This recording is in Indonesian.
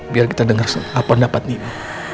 biar kita denger apa pendapat nino